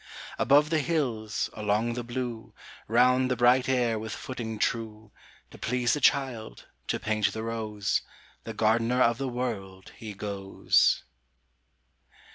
Above the hills, along the blue, Round the bright air with footing true, To please the child, to paint the rose, The gardener of the World, he goes.